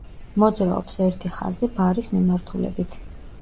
მოძრაობს ერთი ხაზი ბარის მიმართულებით.